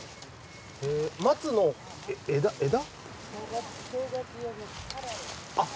松の枝？